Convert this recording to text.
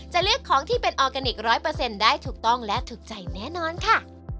จะเลือกของที่เป็นออร์แกนิค๑๐๐ได้ถูกต้องและถูกใจแน่นอนค่ะ